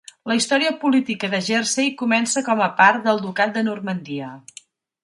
La història política de Jersey comença com a part del Ducat de Normandia.